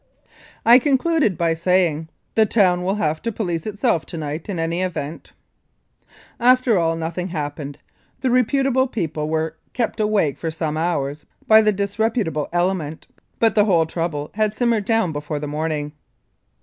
I concluded by saying, "The town will have to police itself to night in any event. " After all, nothing happened. The reputable people were kept awake for some hours by the disreputable element, but the whole trouble had simmered down before the morning.